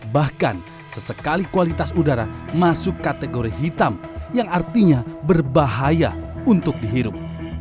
bahkan sesekali kualitas udara masuk kategori hitam yang artinya berbahaya untuk dihirup